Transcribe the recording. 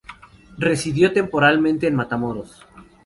Residió temporalmente en Matamoros.